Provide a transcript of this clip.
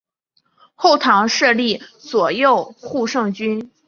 后唐设立左右护圣军。